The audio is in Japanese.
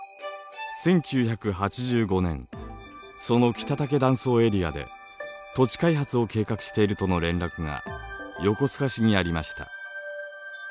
１９８５年その北武断層エリアで土地開発を計画しているとの連絡が横須賀市にありました。